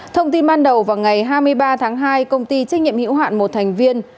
thông tin ban đầu vào ngày hai mươi ba tháng hai công ty trách nhiệm hữu hạn một thành viên